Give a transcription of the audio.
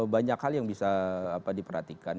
banyak hal yang bisa diperhatikan